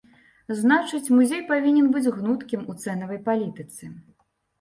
Значыць, музей павінен быць гнуткім у цэнавай палітыцы.